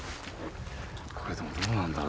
これでもどうなんだろう？